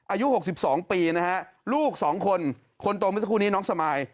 อายุ๖๒ปีลูก๒คนคนตรงพี่สักครู่นี้น้องสมัย